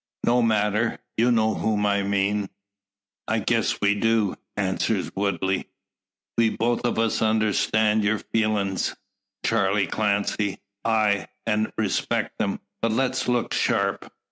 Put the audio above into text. No matter; you know whom I mean." "I guess we do," answers Woodley. "We both o' us understand your feelins, Charley Clancy; ay, an' respect 'em. But let's look sharp.